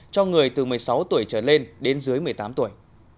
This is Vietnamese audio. cho người từ một mươi sáu tuổi trở lên đến dưới một mươi tám tuổi